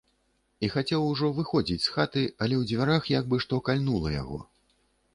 І хацеў ужо выходзіць з хаты, але ў дзвярах як бы што кальнула яго.